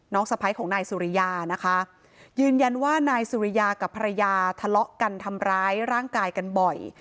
สะพ้ายของนายสุริยานะคะยืนยันว่านายสุริยากับภรรยาทะเลาะกันทำร้ายร่างกายกันบ่อย